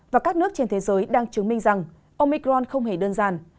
và các nước trên thế giới đang chứng minh rằng omicron không hề đơn giản